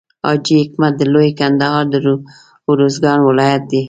حاجي حکمت د لوی کندهار د روزګان ولایت دی.